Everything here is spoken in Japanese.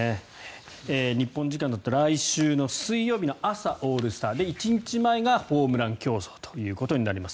日本時間だと来週の水曜日の朝オールスター１日前がホームラン競争ということになります。